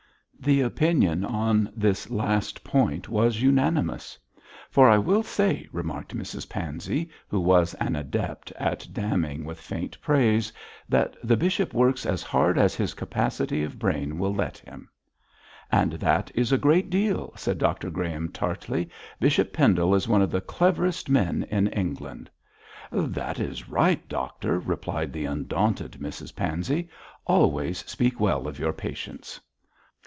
The opinion on this last point was unanimous. 'For I will say,' remarked Mrs Pansey, who was an adept at damning with faint praise, 'that the bishop works as hard as his capacity of brain will let him.' 'And that is a great deal,' said Dr Graham, tartly. 'Bishop Pendle is one of the cleverest men in England.' 'That is right, doctor,' replied the undaunted Mrs Pansey. 'Always speak well of your patients.'